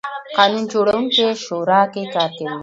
قانون جوړوونکې شورا کې کار کوي.